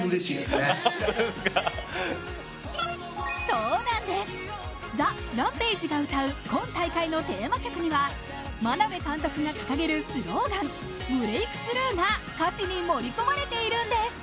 そうなんです、ＴＨＥＲＡＭＰＡＧＥが歌う今大会のテーマ曲には眞鍋監督が掲げるスローガン「Ｂｒｅａｋｔｈｒｏｕｇｈ」が歌詞が盛り込まれているんです。